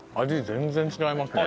全然違いますね。